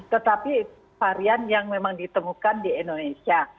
tetapi varian yang memang ditemukan di indonesia